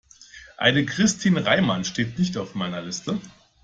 Eine Christin Reimann steht nicht auf meiner Liste.